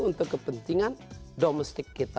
untuk kepentingan domestik kita